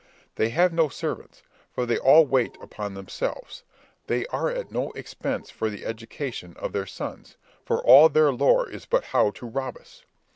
They have no servants, for they all wait upon themselves. They are at no expense for the education of their sons, for all their lore is but how to rob us.